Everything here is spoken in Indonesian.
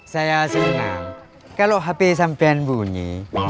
saya senang kalau hp sampai bunyi